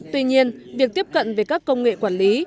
tuy nhiên việc tiếp cận về các công nghệ quản lý